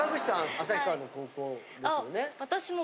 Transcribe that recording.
旭川の高校ですよね？